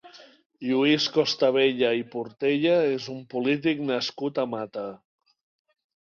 Lluís Costabella i Portella és un polític nascut a Mata.